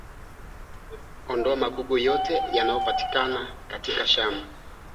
kondoo na mbuzi Nguruwe hunya virusi zaidi kuliko ng'ombe kondoo au mbuzi